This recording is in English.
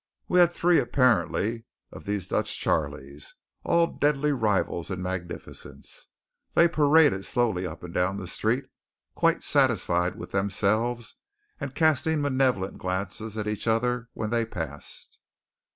We had three apparently, of these Dutch Charleys, all deadly rivals in magnificence. They paraded slowly up and down the street, quite satisfied with themselves, and casting malevolent glances at each other when they passed.